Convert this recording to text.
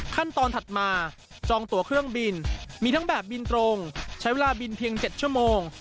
ถัดมาจองตัวเครื่องบินมีทั้งแบบบินตรงใช้เวลาบินเพียง๗ชั่วโมง